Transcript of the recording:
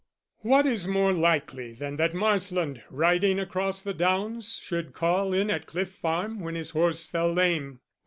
What is more likely than that Marsland, riding across the downs, should call in at Cliff Farm when his horse fell lame.